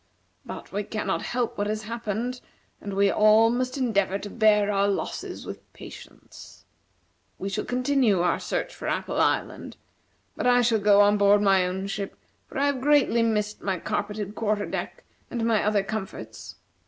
But we cannot help what has happened, and we all must endeavor to bear our losses with patience. We shall continue our search for Apple Island, but I shall go on board my own ship, for I have greatly missed my carpeted quarter deck and my other comforts.